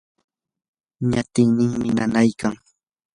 ñatinninmi nanaykan.